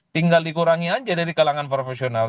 tinggal dikurangi aja dari kalangan profesional